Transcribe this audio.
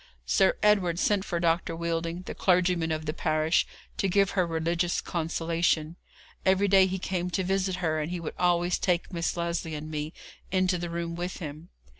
Sir Edward sent for Dr. Wheelding, the clergyman of the parish, to give her religious consolation. Every day he came to visit her, and he would always take Miss Lesley and me into the room with him.